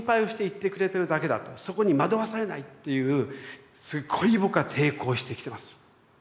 そこに惑わされないっていうすごい僕は抵抗してきてます。